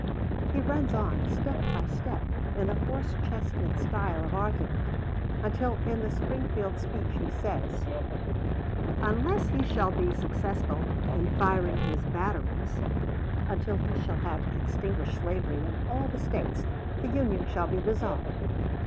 He runs on, step by step, in the horse chestnut style of argument, until in the Springfield speech he says, "Unless he shall be successful in firing his batteries until he shall have extinguished slavery in all the States, the Union shall be dissolved."